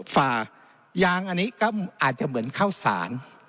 ฝ่ายางอันนี้ก็อาจจะเหมือนข้าวสาร